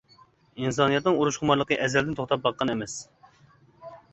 ئىنسانىيەتنىڭ ئۇرۇشخۇمارلىقى ئەزەلدىن توختاپ باققان ئەمەس.